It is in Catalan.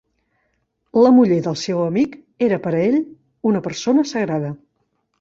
La muller del seu amic era per a ell una persona sagrada.